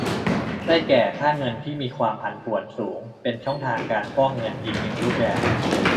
ได้แก่ ค่าเงินที่มีความผันผวนสูง เป็นช่องทางการฟอกเงินอีกหนึ่งรูปแบบ